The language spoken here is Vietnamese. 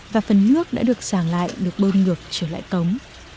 và phần nước đã được sàng lại được bơm ngược trở lại cống